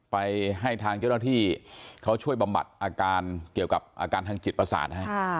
ไปให้ทางเจ้าหน้าที่เขาช่วยบำบัดอาการเกี่ยวกับอาการทางจิตประสาทให้